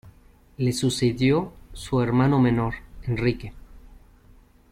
Le sucedió su hermano menor, Enrique.